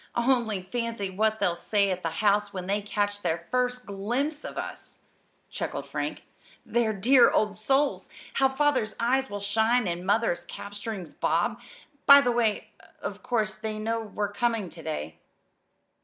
"Only fancy what they'll say at the house when they catch their first glimpse of us!" chuckled Frank. "The dear old souls! How Father's eyes will shine and Mother's cap strings bob! By the way, of course they know we're coming to day?"